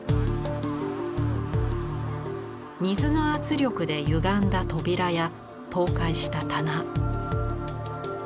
水の圧力でゆがんだ扉や倒壊した棚。